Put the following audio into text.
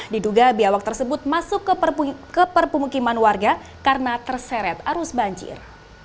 diduga biawak tersebut masuk ke permukiman warga karena terseret arus banjir